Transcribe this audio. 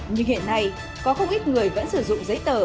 nhưng hiện nay có không ít người vẫn sử dụng giấy tờ